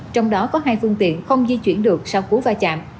trong đó có hai phương tiện không di chuyển được sau cú va chạm